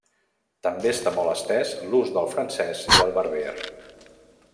També està molt estès l'ús del francès i del berber.